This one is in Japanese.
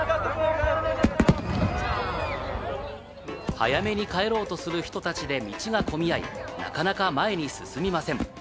早めに帰ろうとする人たちで道が混み合い、なかなか前に進みません。